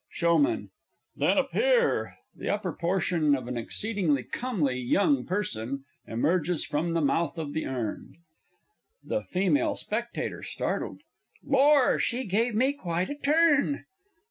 SHOWMAN. Then appear! [The upper portion of an exceedingly comely YOUNG PERSON emerges from the mouth of the Urn. THE F. S. (startled). Lor, she give me quite a turn!